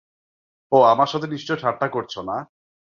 ওহ, আমার সাথে নিশ্চয় ঠাট্টা করছো, না?